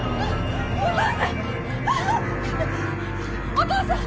お父さん！